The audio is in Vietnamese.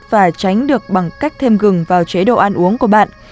và tránh được bằng cách thêm gừng vào chế độ ăn uống của bạn